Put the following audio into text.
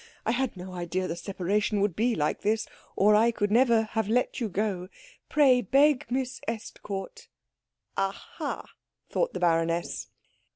I had no idea the separation would be like this, or I could never have let you go. Pray beg Miss Estcourt '" "Aha," thought the baroness.